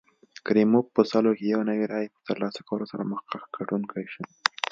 کریموف په سلو کې یو نوي رایې په ترلاسه کولو سره مخکښ ګټونکی شو.